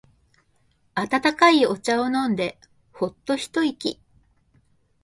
温かいお茶を飲んでホッと一息。